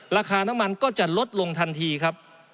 ราคาน้ำมันก็จะลดลงทันทีครับ